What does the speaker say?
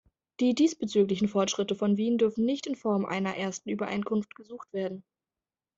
Die diesbezüglichen Fortschritte von Wien dürfen nicht in Form einer ersten Übereinkunft gesucht werden.